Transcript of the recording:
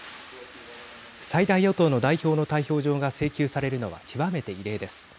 最大野党の代表の逮捕状が請求されるのは極めて異例です。